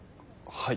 はい。